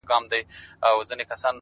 لوړ همت ستړې شېبې زغمي’